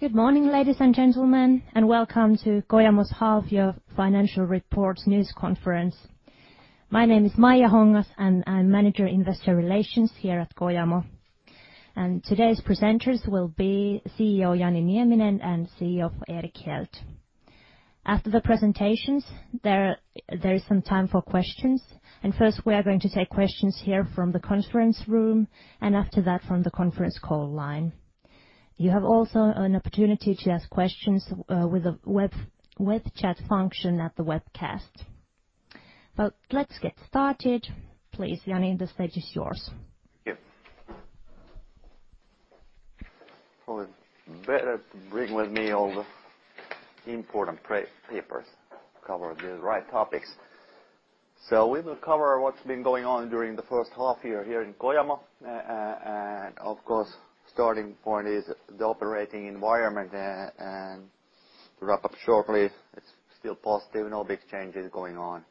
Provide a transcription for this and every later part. Good morning, ladies and gentlemen, and welcome to Kojamo's Half-Year Financial Reports News Conference. My name is Maija Hongas, and I'm Manager Investor Relations here at Kojamo. Today's presenters will be CEO Jani Nieminen and CFO Erik Hjelt. After the presentations, there is some time for questions. First, we are going to take questions here from the conference room, and after that, from the conference call line. You have also an opportunity to ask questions with the web chat function at the webcast. Let's get started. Please, Jani, the stage is yours. Thank you. I'll bring with me all the important papers to cover the right topics. We will cover what's been going on during the first half-year here in Kojamo. Of course, the starting point is the operating environment. To wrap up shortly, it's still positive, no big changes going on.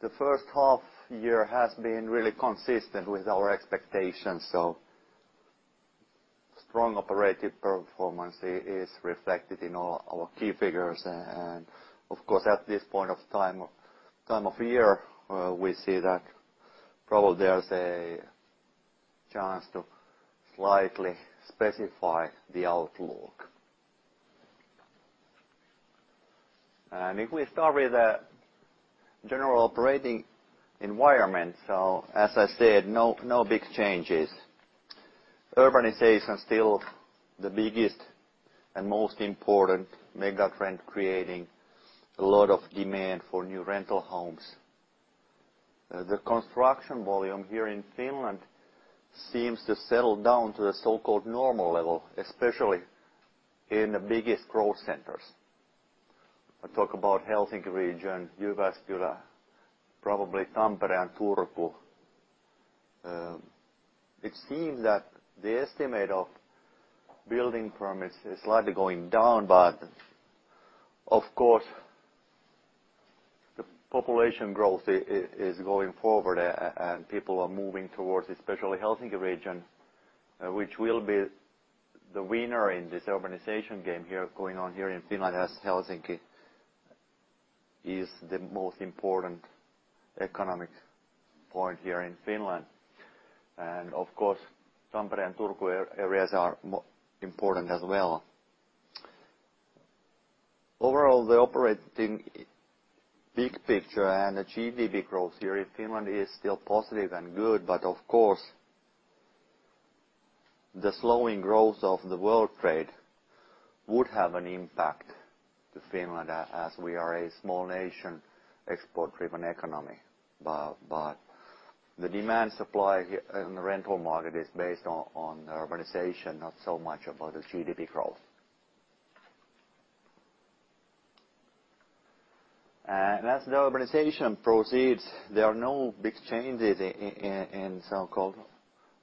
The first half-year has been really consistent with our expectations. Strong operating performance is reflected in all our key figures. Of course, at this point of time of year, we see that probably there's a chance to slightly specify the outlook. If we start with the general operating environment, as I said, no big changes. Urbanization is still the biggest and most important megatrend, creating a lot of demand for new rental homes. The construction volume here in Finland seems to settle down to the so-called normal level, especially in the biggest growth centers. I'll talk about Helsinki region, Jyväskylä, probably Tampere and Turku. It seems that the estimate of building permits is slightly going down, but of course, the population growth is going forward, and people are moving towards especially Helsinki region, which will be the winner in this urbanization game here going on here in Finland as Helsinki is the most important economic point here in Finland. Of course, Tampere and Turku areas are important as well. Overall, the operating big picture and achieving the growth here in Finland is still positive and good, but the slowing growth of the world trade would have an impact on Finland as we are a small nation, export-driven economy. The demand-supply in the rental market is based on urbanization, not so much about the GDP growth. As the urbanization proceeds, there are no big changes in so-called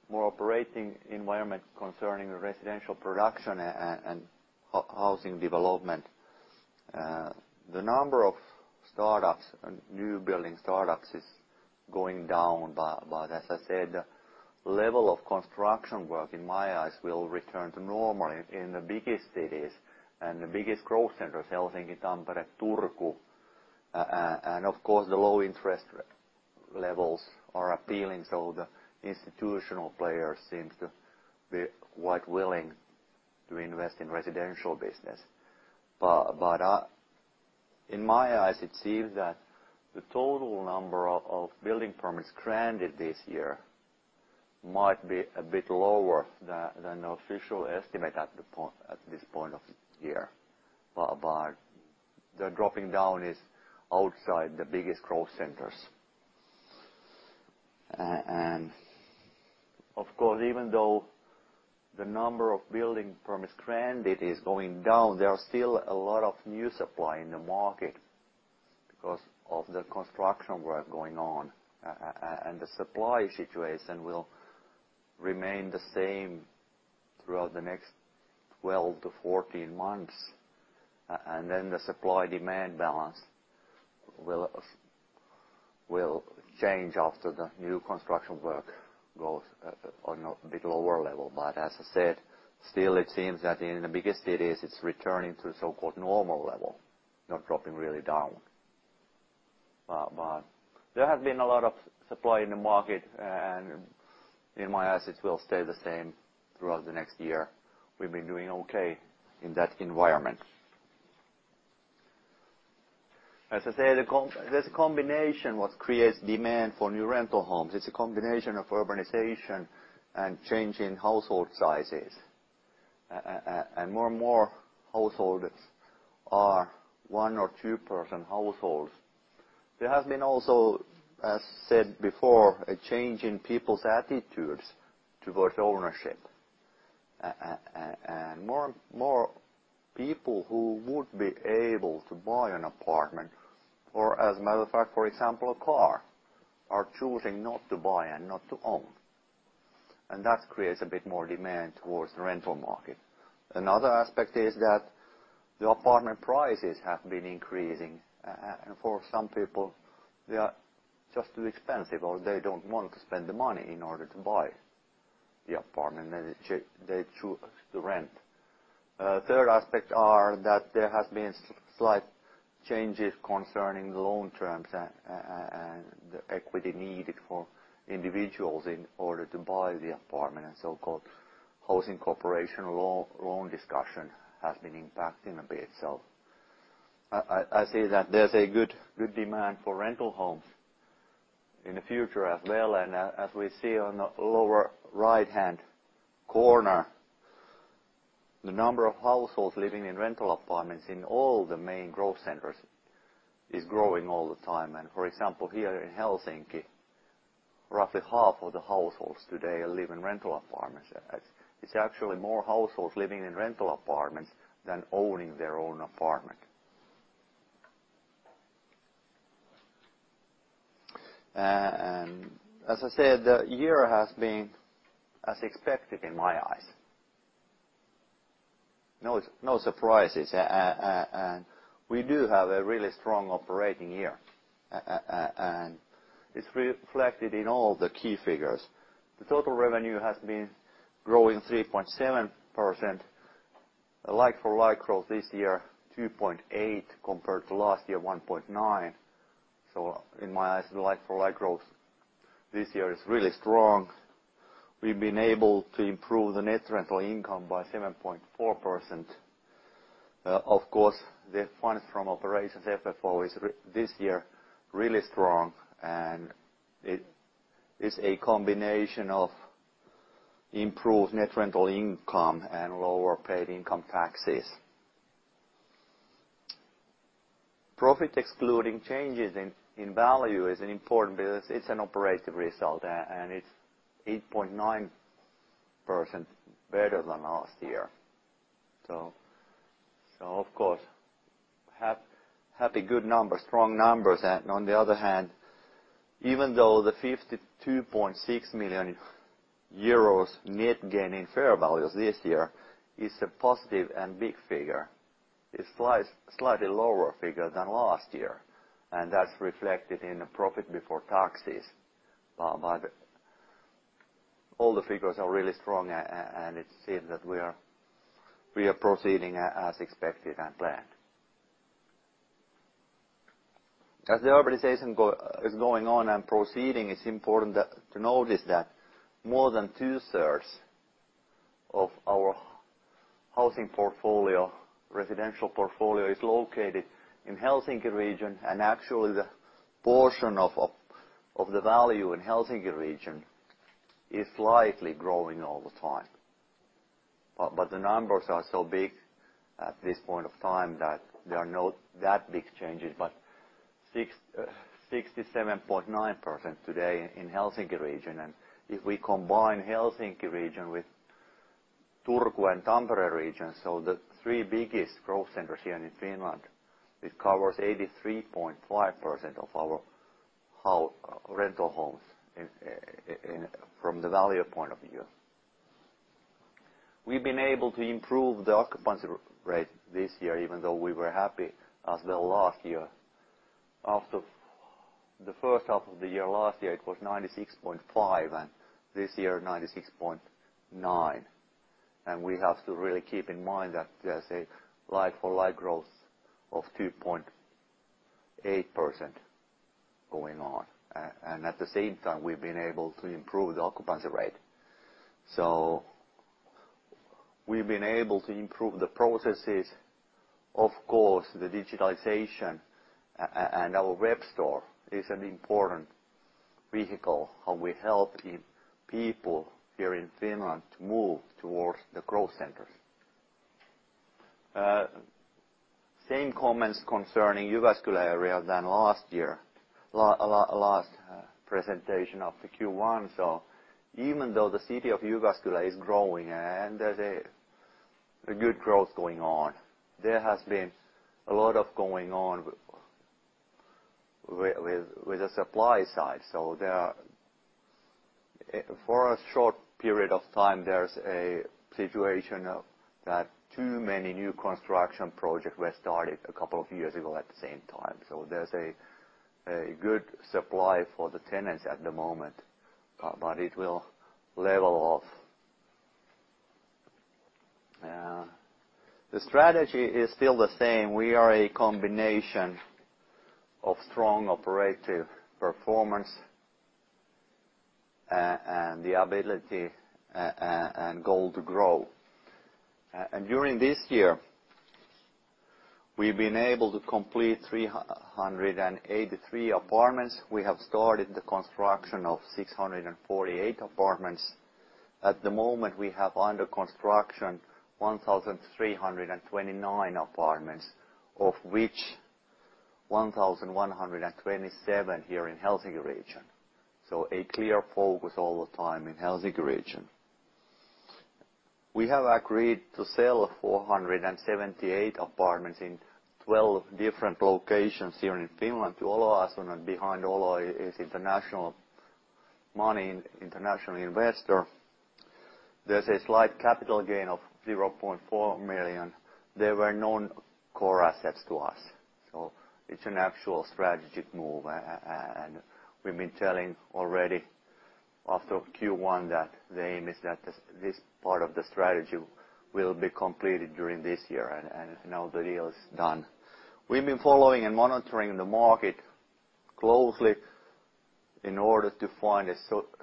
more operating environments concerning residential production and housing development. The number of startups, new building startups, is going down, but as I said, the level of construction work in my eyes will return to normal in the biggest cities and the biggest growth centers, Helsinki, Tampere, Turku. Of course, the low interest levels are appealing, so the institutional players seem to be quite willing to invest in residential business. In my eyes, it seems that the total number of building permits granted this year might be a bit lower than the official estimate at this point of year. The dropping down is outside the biggest growth centers. Of course, even though the number of building permits granted is going down, there is still a lot of new supply in the market because of the construction work going on. The supply situation will remain the same throughout the next 12 months-14 months. The supply-demand balance will change after the new construction work goes on a bit lower level. As I said, still it seems that in the biggest cities, it is returning to so-called normal level, not dropping really down. There has been a lot of supply in the market, and in my eyes, it will stay the same throughout the next year. We have been doing okay in that environment. As I say, there is a combination that creates demand for new rental homes. It is a combination of urbanization and changing household sizes. More and more households are one or two-person households. There has been also, as said before, a change in people's attitudes towards ownership. More people who would be able to buy an apartment, or as a matter of fact, for example, a car, are choosing not to buy and not to own. That creates a bit more demand towards the rental market. Another aspect is that the apartment prices have been increasing. For some people, they are just too expensive, or they do not want to spend the money in order to buy the apartment, they choose to rent. A third aspect is that there have been slight changes concerning the loan terms and the equity needed for individuals in order to buy the apartment. The so-called housing corporation loan discussion has been impacting a bit. I see that there is a good demand for rental homes in the future as well. As we see on the lower right-hand corner, the number of households living in rental apartments in all the main growth centers is growing all the time. For example, here in Helsinki, roughly half of the households today live in rental apartments. It's actually more households living in rental apartments than owning their own apartment. As I said, the year has been as expected in my eyes. No surprises. We do have a really strong operating year. It's reflected in all the key figures. The total revenue has been growing 3.7%. Like-for-like growth this year, 2.8% compared to last year, 1.9%. In my eyes, the like-for-like growth this year is really strong. We've been able to improve the net rental income by 7.4%. Of course, the funds from operations FFO is this year really strong. It is a combination of improved net rental income and lower paid income taxes. Profit excluding changes in value is important because it's an operating result, and it's 8.9% better than last year. Of course, happy good numbers, strong numbers. On the other hand, even though the 52.6 million euros net gain in fair values this year is a positive and big figure, it's a slightly lower figure than last year. That's reflected in the profit before taxes. All the figures are really strong, and it's said that we are proceeding as expected and planned. As urbanization is going on and proceeding, it's important to notice that more than 2/3 of our housing portfolio, residential portfolio, is located in the Helsinki region. Actually, the portion of the value in the Helsinki region is slightly growing all the time. The numbers are so big at this point of time that there are no that big changes, but 67.9% today in the Helsinki region. If we combine the Helsinki region with Turku and Tampere region, the three biggest growth centers here in Finland, it covers 83.5% of our rental homes from the value point of view. We've been able to improve the occupancy rate this year, even though we were happy as well last year. After the first half of the year last year, it was 96.5%, and this year 96.9%. We have to really keep in mind that there's a like-for-like growth of 2.8% going on. At the same time, we've been able to improve the occupancy rate. We've been able to improve the processes. Of course, the digitization and our web store is an important vehicle how we help people here in Finland to move towards the growth centers. Same comments concerning Jyväskylä area than last presentation of the Q1. Even though the city of Jyväskylä is growing and there is a good growth going on, there has been a lot going on with the supply side. For a short period of time, there is a situation that too many new construction projects were started a couple of years ago at the same time. There is a good supply for the tenants at the moment, but it will level off. The strategy is still the same. We are a combination of strong operative performance and the ability and goal to grow. During this year, we have been able to complete 383 apartments. We have started the construction of 648 apartments. At the moment, we have under construction 1,329 apartments, of which 1,127 here in the Helsinki region. A clear focus all the time in the Helsinki region. We have agreed to sell 478 apartments in 12 different locations here in Finland. The Olo Asunnot behind Olo is international money, international investor. There is a slight capital gain of 0.4 million. They were non-core assets to us. It is an actual strategic move. We have been telling already after Q1 that the aim is that this part of the strategy will be completed during this year, and now the deal is done. We have been following and monitoring the market closely in order to find a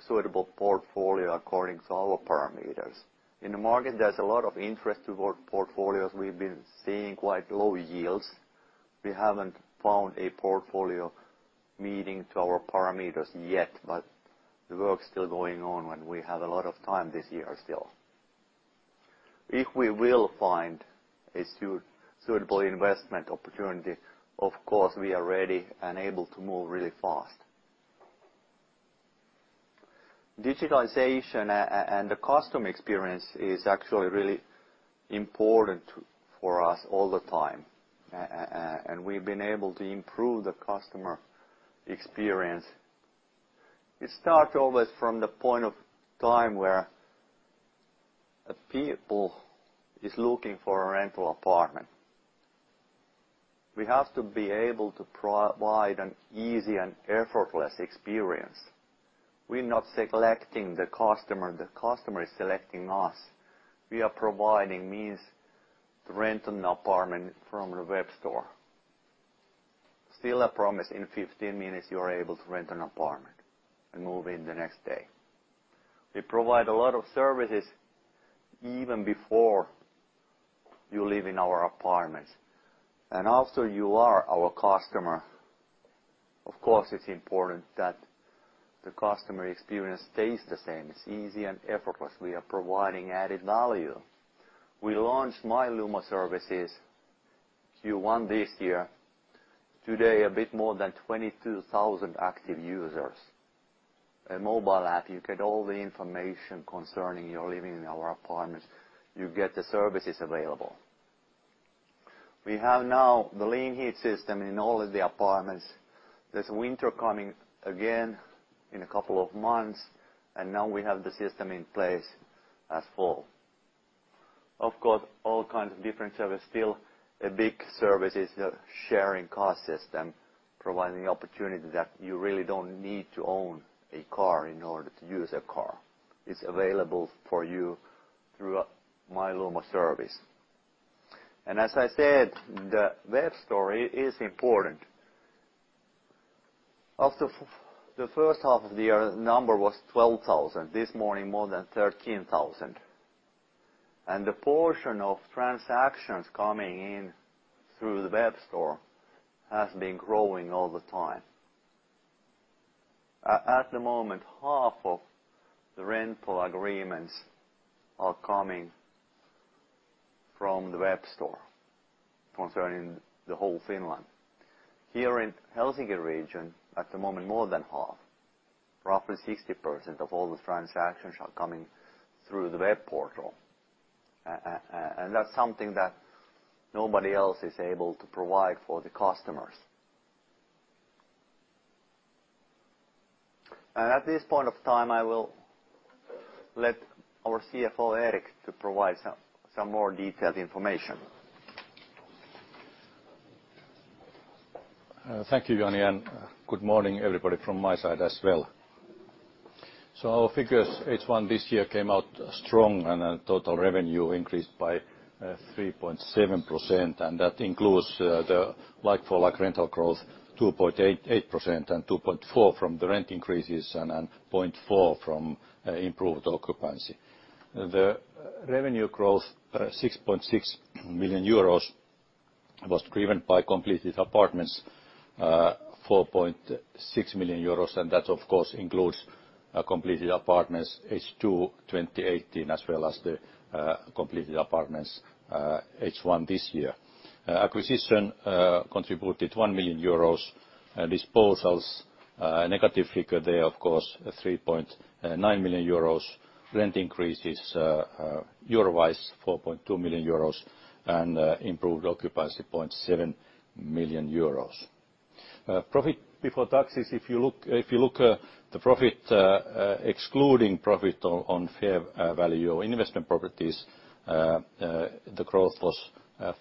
suitable portfolio according to our parameters. In the market, there is a lot of interest toward portfolios. We have been seeing quite low yields. We haven't found a portfolio meeting to our parameters yet, but the work's still going on, and we have a lot of time this year still. If we will find a suitable investment opportunity, of course, we are ready and able to move really fast. Digitization and the customer experience is actually really important for us all the time. And we've been able to improve the customer experience. It starts always from the point of time where a people is looking for a rental apartment. We have to be able to provide an easy and effortless experience. We're not selecting the customer. The customer is selecting us. We are providing means to rent an apartment from the web store. Still, I promise in 15 minutes you're able to rent an apartment and move in the next day. We provide a lot of services even before you live in our apartments. After you are our customer, of course, it's important that the customer experience stays the same. It's easy and effortless. We are providing added value. We launched My Lumo services. This year, today, a bit more than 22,000 active users. A mobile app, you get all the information concerning your living in our apartments. You get the services available. We have now the Leanheat system in all of the apartments. There is winter coming again in a couple of months, and now we have the system in place as fall. Of course, all kinds of different services. Still, a big service is the sharing car system, providing the opportunity that you really don't need to own a car in order to use a car. It's available for you through My Lumo service. As I said, the web store is important. After the first half of the year, the number was 12,000. This morning, more than 13,000. The portion of transactions coming in through the web store has been growing all the time. At the moment, half of the rental agreements are coming from the web store concerning the whole Finland. Here in the Helsinki region, at the moment, more than half, roughly 60% of all the transactions are coming through the web portal. That is something that nobody else is able to provide for the customers. At this point of time, I will let our CFO, Erik, provide some more detailed information. Thank you, Jani. Good morning, everybody from my side as well. Our figures, H1 this year came out strong, and total revenue increased by 3.7%. That includes the like-for-like rental growth, 2.8% and 2.4% from the rent increases and 0.4% from improved occupancy. The revenue growth, 6.6 million euros, was driven by completed apartments, 4.6 million euros. That, of course, includes completed apartments, H2 2018, as well as the completed apartments, H1 this year. Acquisition contributed 1 million euros. Disposals, a negative figure there, of course, 3.9 million euros. Rent increases, euro wise, 4.2 million euros and improved occupancy, 0.7 million euros. Profit before taxes, if you look at the profit excluding profit on fair value or investment properties, the growth was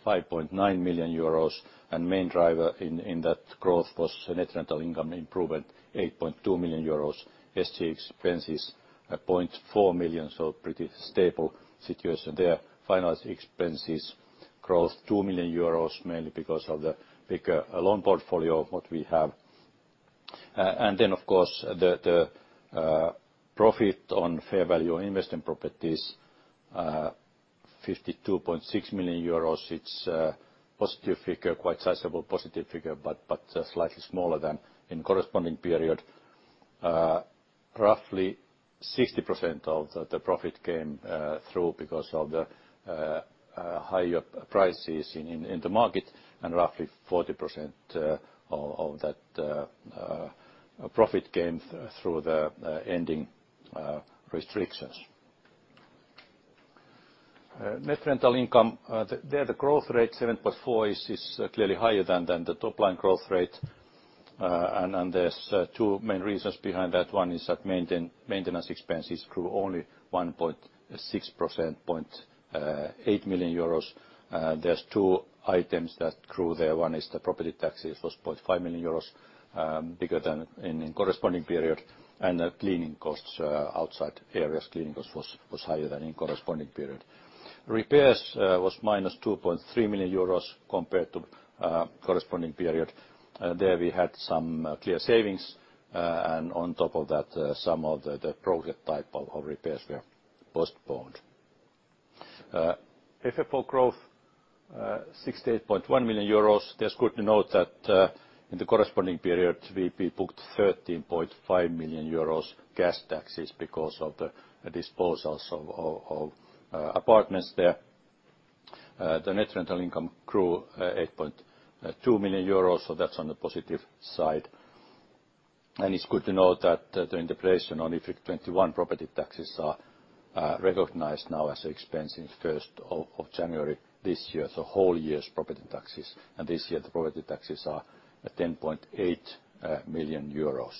5.9 million euros. The main driver in that growth was net rental income improvement, 8.2 million euros. SG expenses, 0.4 million, so pretty stable situation there. Finance expenses growth, 2 million euros, mainly because of the bigger loan portfolio of what we have. Of course, the profit on fair value or investment properties, 52.6 million euros. It's a positive figure, quite sizable positive figure, but slightly smaller than in corresponding period. Roughly 60% of the profit came through because of the higher prices in the market, and roughly 40% of that profit came through the ending restrictions. Net rental income, there the growth rate, 7.4%, is clearly higher than the top line growth rate. There are two main reasons behind that. One is that maintenance expenses grew only 1.6%, 0.8 million euros. There are two items that grew there. One is the property taxes, was 0.5 million euros bigger than in corresponding period. Cleaning costs, outside areas, cleaning costs was higher than in corresponding period. Repairs was minus 2.3 million euros compared to corresponding period. There we had some clear savings. On top of that, some of the project type of repairs were postponed. FFO growth, 68.1 million euros. It's good to note that in the corresponding period, we booked 13.5 million euros gas taxes because of the disposals of apartments there. The net rental income grew 8.2 million euros, so that's on the positive side. It's good to note that the integration on IFRIC 21 property taxes are recognized now as an expense in first of January this year. Whole year's property taxes. This year, the property taxes are 10.8 million euros.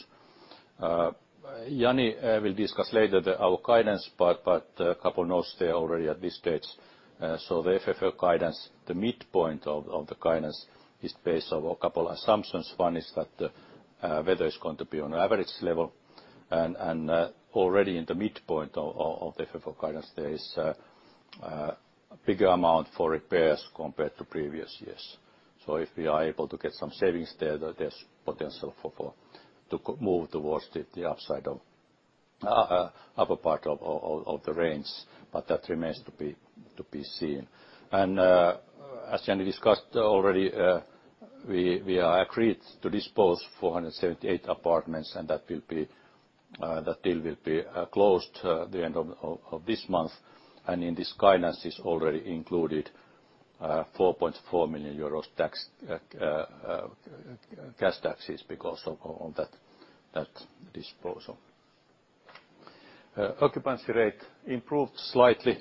Jani will discuss later our guidance, but a couple of notes there already at this stage. The FFO guidance, the midpoint of the guidance is based on a couple of assumptions. One is that the weather is going to be on average level. Already in the midpoint of the FFO guidance, there is a bigger amount for repairs compared to previous years. If we are able to get some savings there, there's potential to move towards the upside of upper part of the range. That remains to be seen. As Jani discussed already, we are agreed to dispose of 478 apartments, and that deal will be closed at the end of this month. In this guidance is already included 4.4 million euros gas taxes because of that disposal. Occupancy rate improved slightly.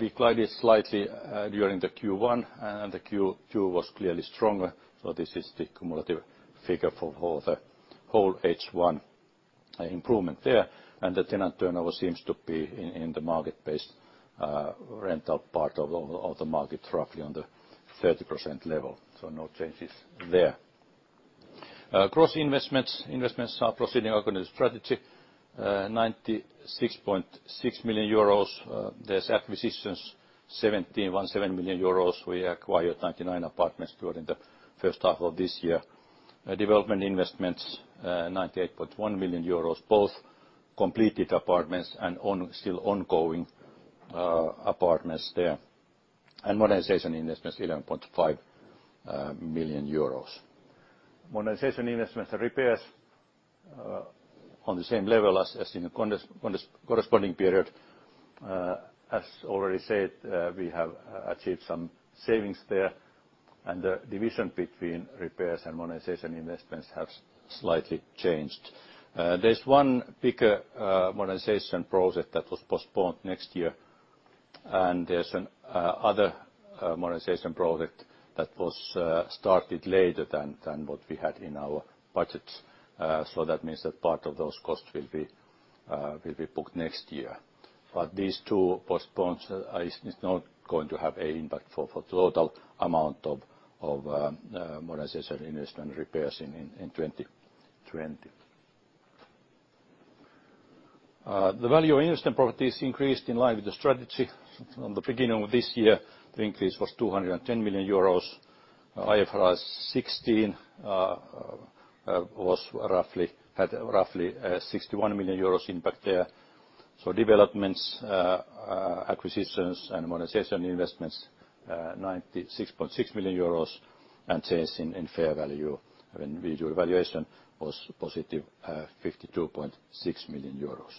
We climbed it slightly during Q1, and Q2 was clearly stronger. This is the cumulative figure for the whole H1 improvement there. The tenant turnover seems to be in the market-based rental part of the market, roughly on the 30% level. No changes there. Cross investments, investments are proceeding according to the strategy. 96.6 million euros. There's acquisitions, 17 million euros. We acquired 99 apartments during the first half of this year. Development investments, 98.1 million euros, both completed apartments and still ongoing apartments there. And modernization investments, 11.5 million euros. Modernization investments and repairs on the same level as in the corresponding period. As already said, we have achieved some savings there. The division between repairs and modernization investments has slightly changed. There's one bigger modernization project that was postponed next year. There's another modernization project that was started later than what we had in our budget. That means that part of those costs will be booked next year. These two postponements are not going to have an impact for the total amount of modernization investment repairs in 2020. The value of investment properties increased in line with the strategy. At the beginning of this year, the increase was 210 million euros. IFRS16 had roughly 61 million euros impact there. Developments, acquisitions, and modernization investments, 96.6 million euros. Change in fair value when we do evaluation was positive, 52.6 million euros.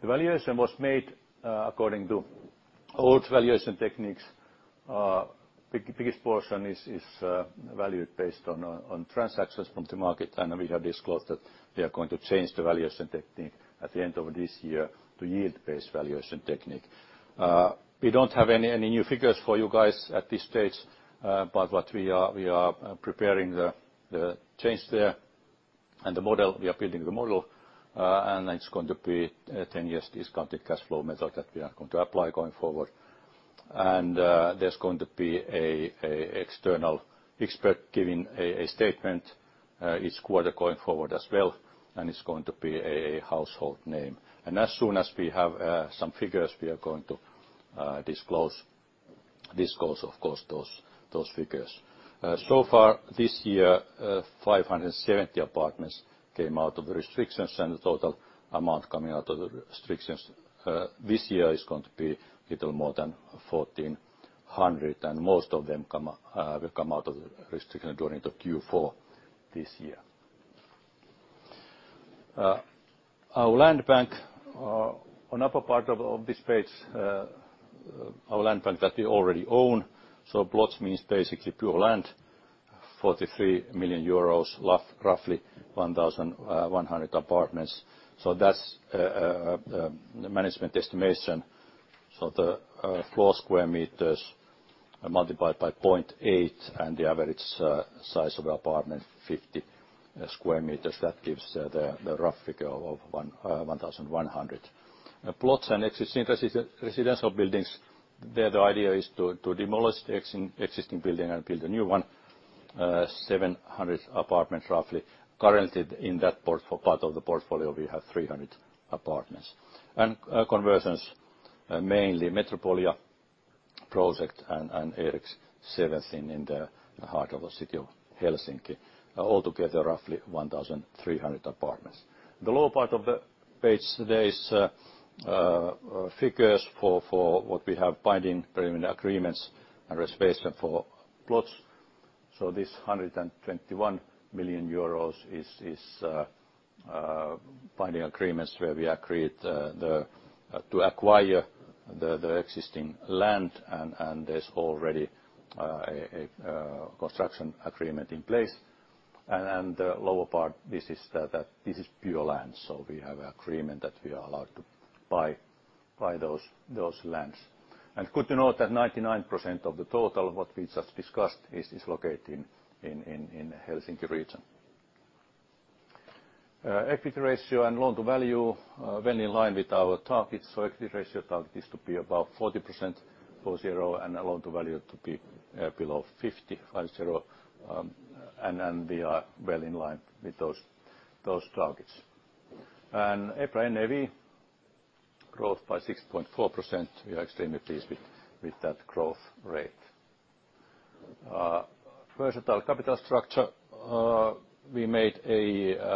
The valuation was made according to old valuation techniques. Biggest portion is valued based on transactions on the market. We have disclosed that we are going to change the valuation technique at the end of this year to yield-based valuation technique. We do not have any new figures for you guys at this stage. What we are preparing is the change there. The model, we are building the model. It is going to be a 10 years discounted cash flow method that we are going to apply going forward. There is going to be an external expert giving a statement each quarter going forward as well. It is going to be a household name. As soon as we have some figures, we are going to disclose, of course, those figures. So far this year, 570 apartments came out of the restrictions and the total amount coming out of the restrictions this year is going to be a little more than 1,400. Most of them will come out of the restrictions during Q4 this year. Our land bank, on the upper part of this page, our land bank that we already own. Plots means basically pure land, 43 million euros, roughly 1,100 apartments. That is the management estimation. The four square meters multiplied by 0.8 and the average size of the apartment, 50 square meters, that gives the rough figure of 1,100. Plots and existing residential buildings. There the idea is to demolish the existing building and build a new one, 700 apartments, roughly. Currently, in that part of the portfolio, we have 300 apartments. And conversions, mainly Metropolia project and Erik 7 in the heart of the city of Helsinki. Altogether, roughly 1,300 apartments. The lower part of the page today is figures for what we have binding agreements and reservation for plots. This EUR 121 million is binding agreements where we agreed to acquire the existing land. There is already a construction agreement in place. The lower part, this is pure land. We have an agreement that we are allowed to buy those lands. It is good to note that 99% of the total of what we just discussed is located in the Helsinki region. Equity ratio and loan to value went in line with our targets. Equity ratio target is to be about 40% for zero and loan to value to be below 50% for zero. We are well in line with those targets. EPRA NAV growth by 6.4%. We are extremely pleased with that growth rate. Versatile capital structure. We made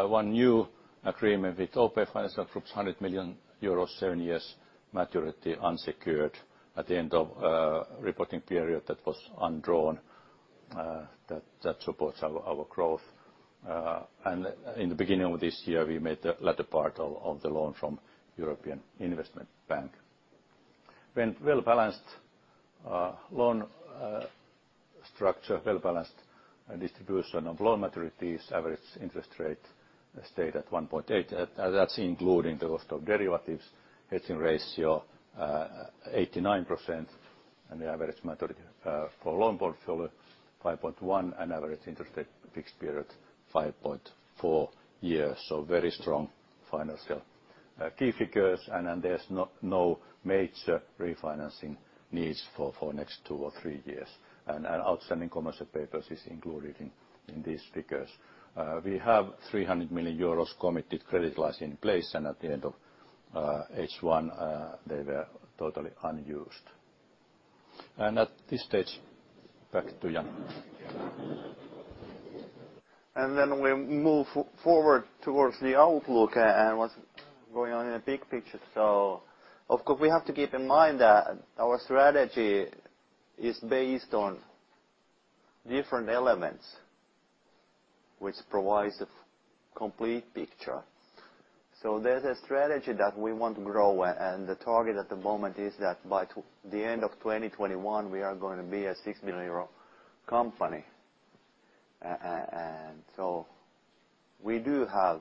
one new agreement with OP Financial Group, 100 million euros, seven years maturity unsecured at the end of the reporting period that was undrawn. That supports our growth. In the beginning of this year, we made the latter part of the loan from European Investment Bank. Went well balanced loan structure, well balanced distribution of loan maturities, average interest rate stayed at 1.8. That is including the cost of derivatives, hedging ratio 89%, and the average maturity for loan portfolio 5.1, and average interest rate fixed period 5.4 years. Very strong financial key figures. There are no major refinancing needs for the next two or three years. Outstanding commercial papers are included in these figures. We have 300 million euros committed credit lines in place. At the end of H1, they were totally unused. At this stage, back to Jani. We move forward towards the outlook and what is going on in the big picture. Of course, we have to keep in mind that our strategy is based on different elements, which provides a complete picture. There is a strategy that we want to grow. The target at the moment is that by the end of 2021, we are going to be a 6 million euro company. We do have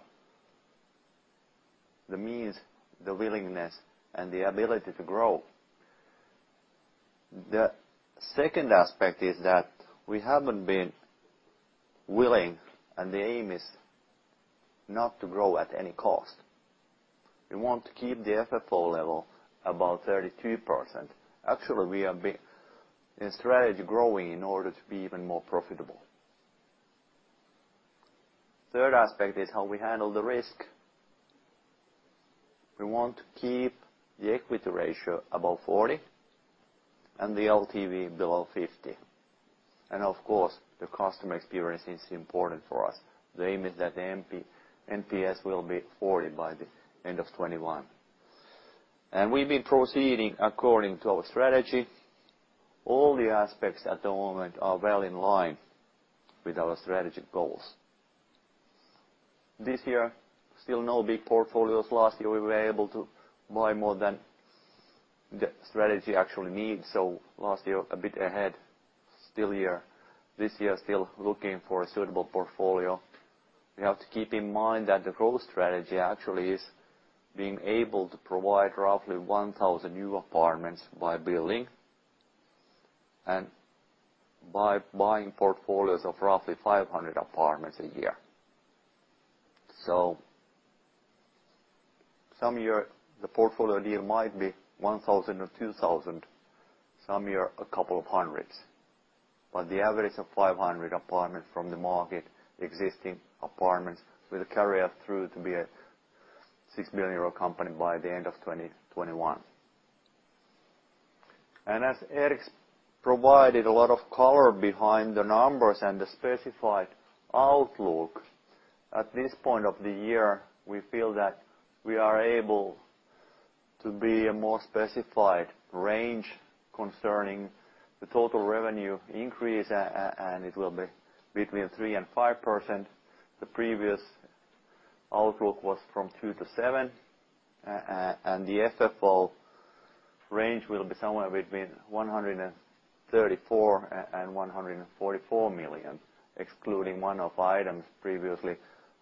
the means, the willingness, and the ability to grow. The second aspect is that we haven't been willing, and the aim is not to grow at any cost. We want to keep the FFO level about 33%. Actually, we are in strategy growing in order to be even more profitable. Third aspect is how we handle the risk. We want to keep the equity ratio above 40% and the LTV below 50%. Of course, the customer experience is important for us. The aim is that the NPS will be 40 by the end of 2021. We've been proceeding according to our strategy. All the aspects at the moment are well in line with our strategic goals. This year, still no big portfolios. Last year, we were able to buy more than the strategy actually needs. Last year, a bit ahead, still here. This year, still looking for a suitable portfolio. We have to keep in mind that the growth strategy actually is being able to provide roughly 1,000 new apartments by building and by buying portfolios of roughly 500 apartments a year. Some year, the portfolio deal might be 1,000 or 2,000. Some year, a couple of hundreds. The average of 500 apartments from the market, existing apartments, will carry us through to be a 6 million euro company by the end of 2021. As Erik has provided a lot of color behind the numbers and the specified outlook, at this point of the year, we feel that we are able to be a more specified range concerning the total revenue increase, and it will be between 3%-5%. The previous outlook was from 2%-7%. The FFO range will be somewhere between 134 million-144 million, excluding one of the items previously,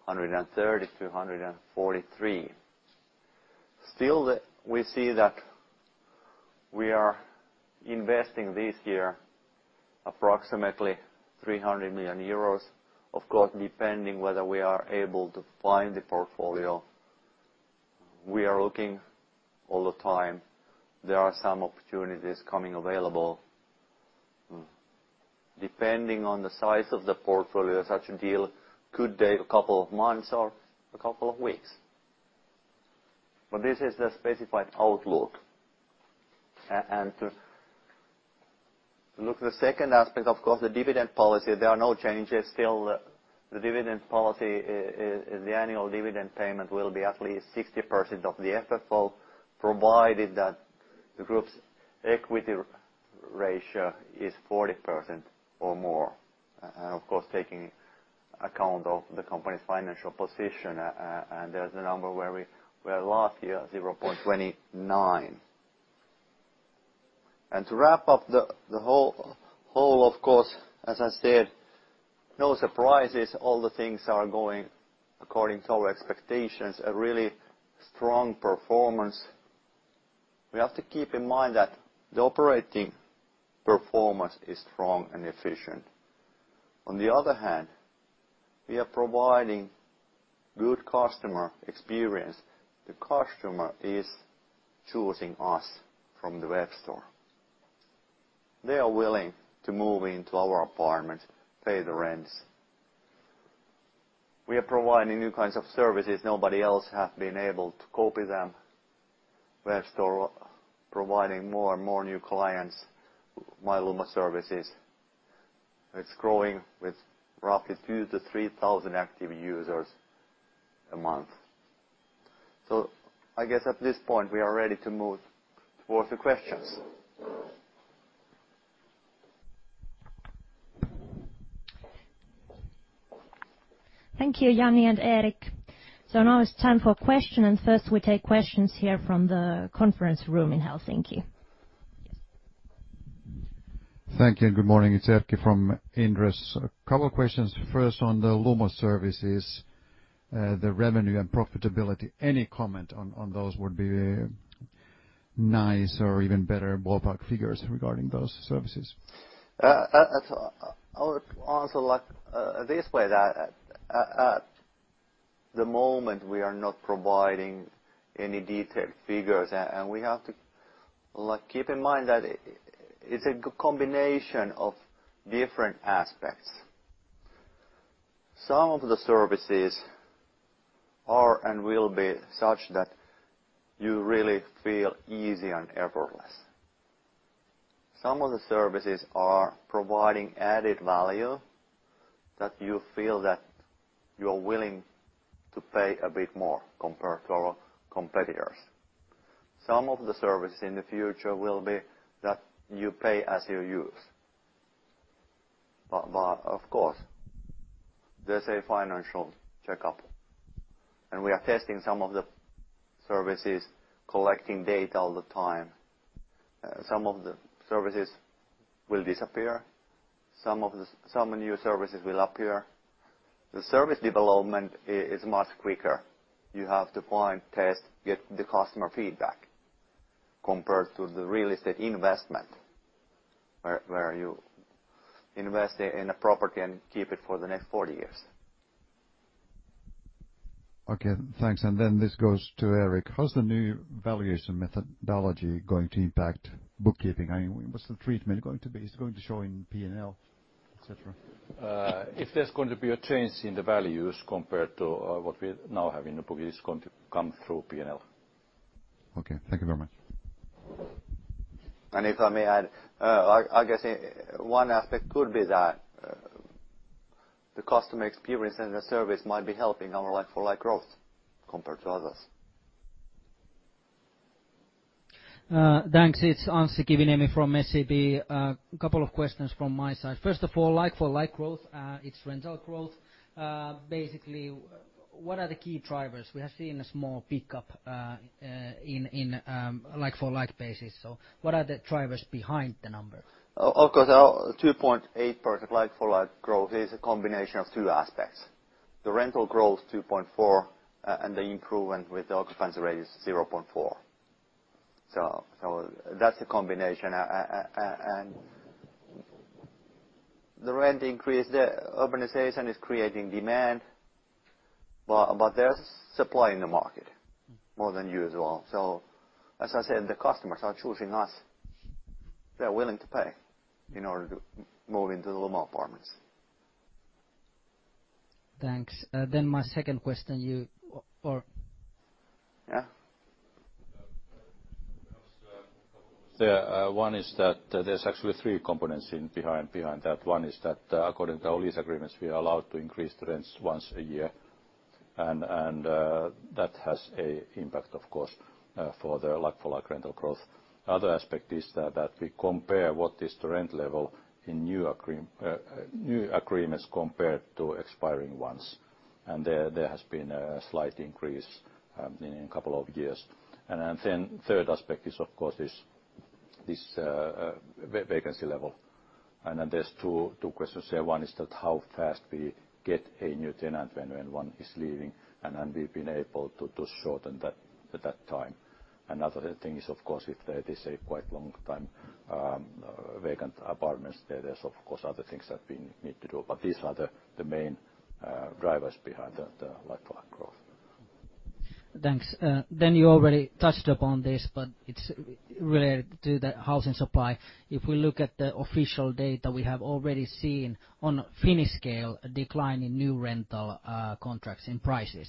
130 million-143 million. Still, we see that we are investing this year approximately 300 million euros. Of course, depending whether we are able to find the portfolio, we are looking all the time. There are some opportunities coming available. Depending on the size of the portfolio, such a deal could take a couple of months or a couple of weeks. This is the specified outlook. Looking at the second aspect, the dividend policy, there are no changes. The dividend policy, the annual dividend payment will be at least 60% of the FFO, provided that the group's equity ratio is 40% or more. Of course, taking account of the company's financial position. There is a number where we were last year, 0.29. To wrap up the whole, of course, as I said, no surprises. All the things are going according to our expectations. A really strong performance. We have to keep in mind that the operating performance is strong and efficient. On the other hand, we are providing good customer experience. The customer is choosing us from the web store. They are willing to move into our apartments, pay the rents. We are providing new kinds of services. Nobody else has been able to copy them. Web store providing more and more new clients, My Lumo services. It's growing with roughly 2,000-3,000 active users a month. I guess at this point, we are ready to move forward to questions. Thank you, Jani and Erik. Now it's time for questions. First, we take questions here from the conference room in Helsinki. Thank you. Good morning. It's Erkki from Inderes. A couple of questions. First, on the Lumo services, the revenue and profitability. Any comment on those would be nice or even better ballpark figures regarding those services. I would answer this way. At the moment, we are not providing any detailed figures. We have to keep in mind that it's a good combination of different aspects. Some of the services are and will be such that you really feel easy and effortless. Some of the services are providing added value that you feel that you are willing to pay a bit more compared to our competitors. Some of the services in the future will be that you pay as you use. Of course, there's a financial checkup. We are testing some of the services, collecting data all the time. Some of the services will disappear. Some new services will appear. The service development is much quicker. You have to find, test, get the customer feedback compared to the real estate investment where you invest in a property and keep it for the next 40 years. Okay, thanks. This goes to Erik. How's the new valuation methodology going to impact bookkeeping? I mean, what's the treatment going to be? It's going to show in P&L, etc. If there's going to be a change in the values compared to what we now have in the book, it's going to come through P&L. Okay, thank you very much. If I may add, I guess one aspect could be that the customer experience and the service might be helping our like-for-like growth compared to others. Thanks. It's Anssi Kiviniemi from SEB. A couple of questions from my side. First of all, like-for-like growth, it's rental growth. Basically, what are the key drivers? We have seen a small pickup in like-for-like basis. What are the drivers behind the number? Of course, 2.8% like-for-like growth is a combination of two aspects. The rental growth, 2.4%, and the improvement with the occupancy rate is 0.4%. That is a combination. The rent increase, the urbanization is creating demand, but there is supply in the market more than usual. As I said, the customers are choosing us. They are willing to pay in order to move into the Lumo apartments. Thanks. My second question, you or. Yeah. One is that there are actually three components behind that. One is that according to our lease agreements, we are allowed to increase the rents once a year. That has an impact, of course, for the like-for-like rental growth. Another aspect is that we compare what is the rent level in new agreements compared to expiring ones. There has been a slight increase in a couple of years. The third aspect is, of course, this vacancy level. There are two questions here. One is how fast we get a new tenant when one is leaving. We have been able to shorten that time. Another thing is, of course, if there is a quite long time vacant apartments, there are other things that we need to do. These are the main drivers behind the like-for-like growth. Thanks. You already touched upon this, but it is related to the housing supply. If we look at the official data, we have already seen on a Finnish scale a decline in new rental contracts and prices.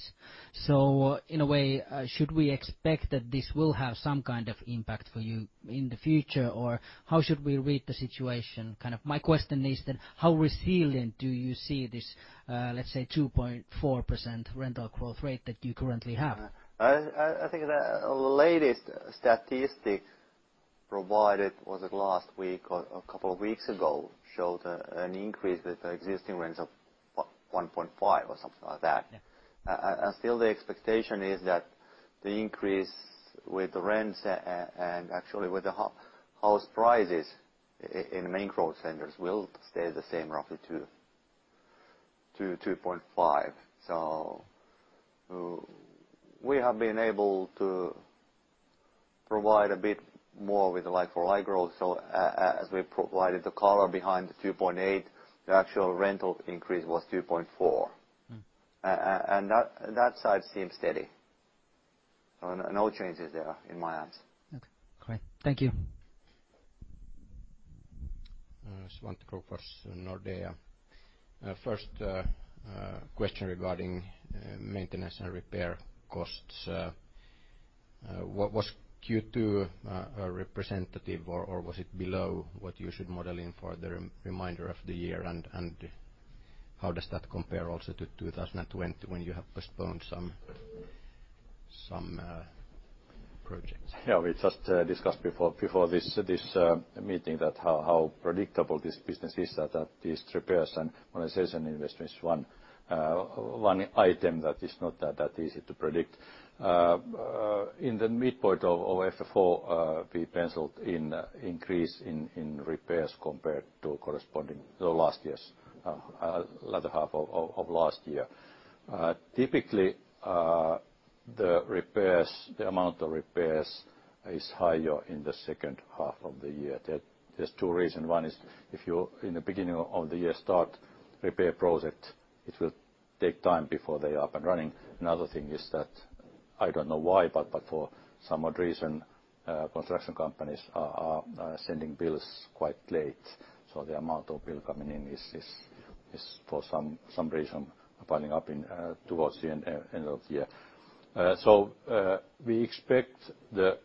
In a way, should we expect that this will have some kind of impact for you in the future? How should we read the situation? Kind of my question is that how resilient do you see this, let's say, 2.4% rental growth rate that you currently have? I think the latest statistic provided, was it last week or a couple of weeks ago, showed an increase in the existing rents of 1.5% or something like that. Still, the expectation is that the increase with the rents and actually with the house prices in main growth centers will stay the same, roughly to 2.5%. We have been able to provide a bit more with the like-for-like growth. As we provided the color behind the 2.8%, the actual rental increase was 2.4%. That side seems steady. No changes there in my eyes. Okay, great. Thank you. Svante Krokfors, Nordea. First question regarding maintenance and repair costs. Was Q2 a representative or was it below what you should model in for the remainder of the year? How does that compare also to 2020 when you have postponed some projects? Yeah, we just discussed before this meeting that how predictable this business is, that these repairs and organization investment is one item that is not that easy to predict. In the midpoint of FFO, we penciled in increase in repairs compared to corresponding to last year's latter half of last year. Typically, the repairs, the amount of repairs is higher in the second half of the year. There are two reasons. One is if you in the beginning of the year start repair project, it will take time before they are up and running. Another thing is that I do not know why, but for some odd reason, construction companies are sending bills quite late. The amount of bill coming in is for some reason piling up towards the end of the year. We expect the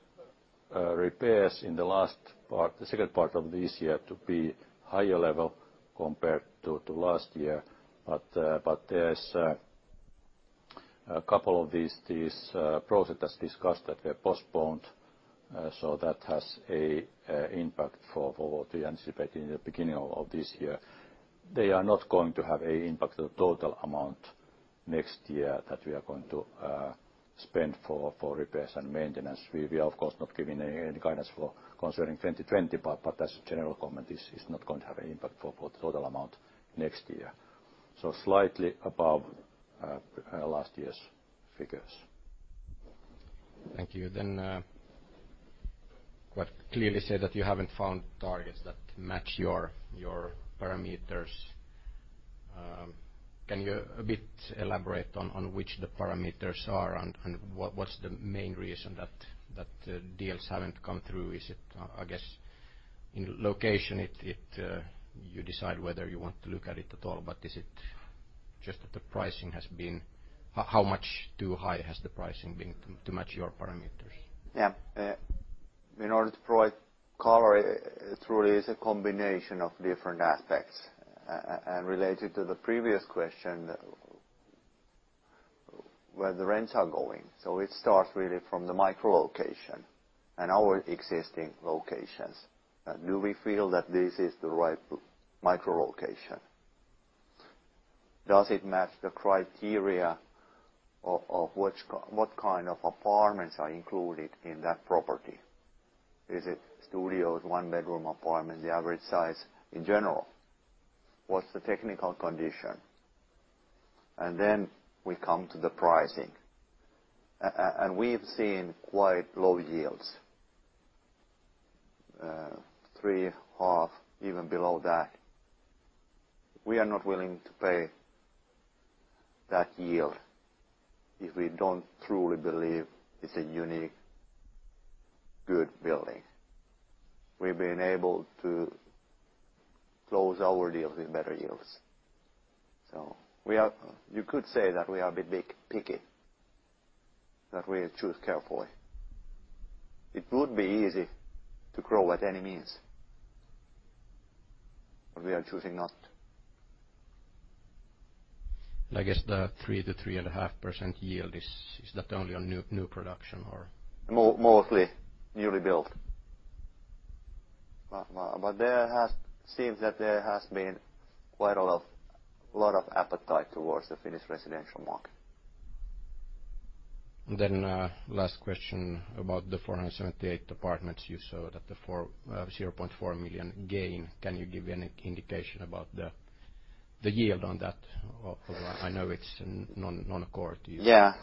repairs in the last part, the second part of this year to be higher level compared to last year. There are a couple of these projects that discussed that were postponed. That has an impact for what we anticipate in the beginning of this year. They are not going to have an impact on the total amount next year that we are going to spend for repairs and maintenance. We are, of course, not giving any guidance for concerning 2020, but as a general comment, it is not going to have an impact for the total amount next year. Slightly above last year's figures. Thank you. Quite clearly said that you have not found targets that match your parameters. Can you a bit elaborate on which the parameters are and what's the main reason that deals haven't come through? Is it, I guess, in location, you decide whether you want to look at it at all, but is it just that the pricing has been how much too high has the pricing been to match your parameters? Yeah. In order to provide color, it truly is a combination of different aspects. Related to the previous question, where the rents are going. It starts really from the micro-location and our existing locations. Do we feel that this is the right micro-location? Does it match the criteria of what kind of apartments are included in that property? Is it studios, one-bedroom apartments, the average size in general? What's the technical condition? Then we come to the pricing. We've seen quite low yields. Three and a half, even below that. We are not willing to pay that yield if we do not truly believe it is a unique, good building. We have been able to close our deals with better yields. You could say that we are a bit picky, that we choose carefully. It would be easy to grow at any means, but we are choosing not. I guess the 3%-3.5% yield, is that only on new production or? Mostly newly built. It seems that there has been quite a lot of appetite towards the Finnish residential market. Last question about the 478 apartments. You saw that the 0.4 million gain. Can you give me an indication about the yield on that? I know it is non-accord. Yeah.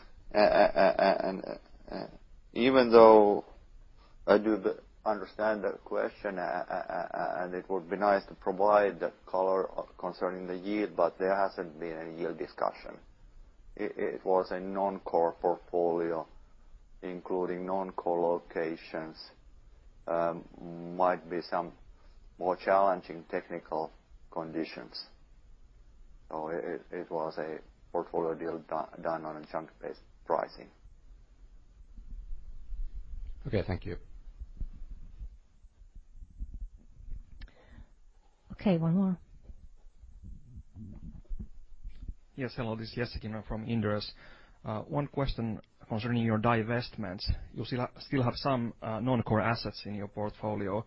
Even though I do understand the question, and it would be nice to provide the color concerning the yield, there has not been a yield discussion. It was a non-core portfolio, including non-core locations. Might be some more challenging technical conditions. It was a portfolio deal done on a junk-based pricing. Okay, thank you. Okay, one more. Yes, hello, this is Jesse Kinnunen from Inderes. One question concerning your divestments. You still have some non-core assets in your portfolio.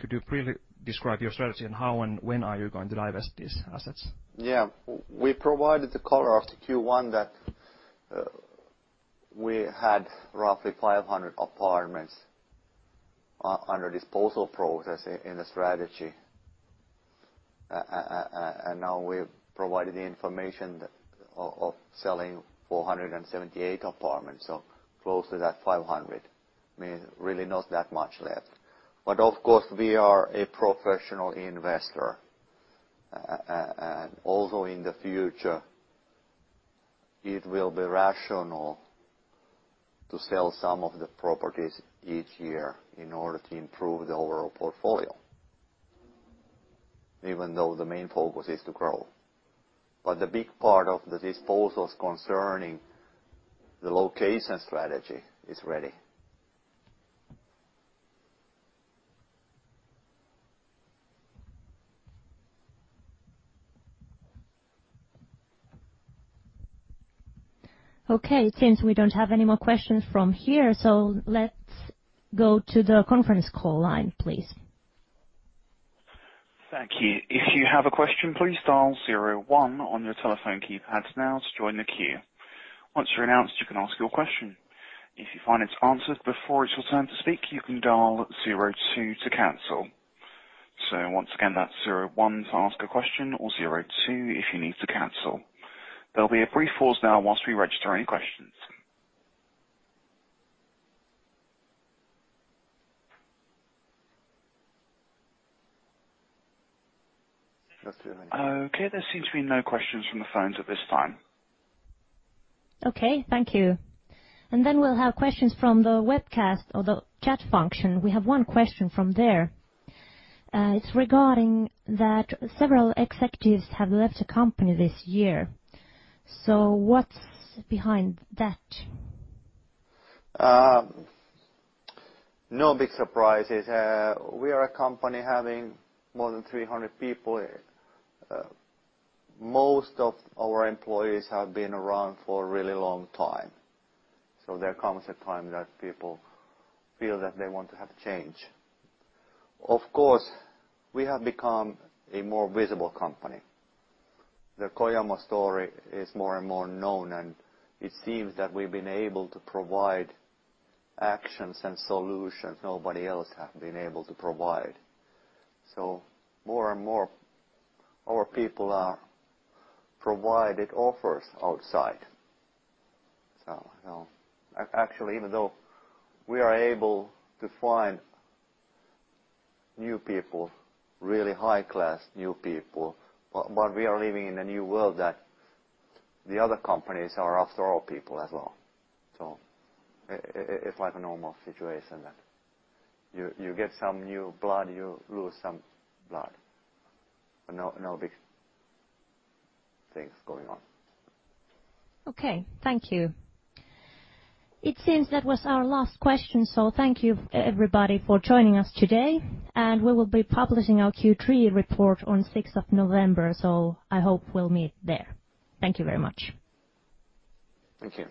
Could you briefly describe your strategy and how and when are you going to divest these assets? Yeah, we provided the color of the Q1 that we had roughly 500 apartments under disposal process in the strategy. Now we have provided the information of selling 478 apartments. Close to that 500. I mean, really not that much left. Of course, we are a professional investor. Also in the future, it will be rational to sell some of the properties each year in order to improve the overall portfolio, even though the main focus is to grow. The big part of the disposals concerning the location strategy is ready. Okay, it seems we do not have any more questions from here. Let us go to the conference call line, please. Thank you. If you have a question, please dial zero one on your telephone keypad now to join the queue. Once you are announced, you can ask your question. If you find it is answered before it is your turn to speak, you can dial zero two to cancel. Once again, that is zero one to ask a question or zero two if you need to cancel. There will be a brief pause now whilst we register any questions. Okay, there seems to be no questions from the phones at this time. Okay, thank you. We will have questions from the webcast or the chat function. We have one question from there. It is regarding that several executives have left the company this year. What is behind that? No big surprises. We are a company having more than 300 people. Most of our employees have been around for a really long time. There comes a time that people feel that they want to have change. Of course, we have become a more visible company. The Kojamo story is more and more known, and it seems that we have been able to provide actions and solutions nobody else has been able to provide. More and more our people are providing offers outside. Actually, even though we are able to find new people, really high-class new people, we are living in a new world that the other companies are after all people as well. It is like a normal situation that you get some new blood, you lose some blood. No big things going on. Okay, thank you. It seems that was our last question. Thank you, everybody, for joining us today. We will be publishing our Q3 report on 6th of November. I hope we will meet there. Thank you very much. Thank you.